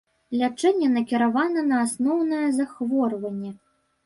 Лячэнне накіравана на асноўнае захворванне.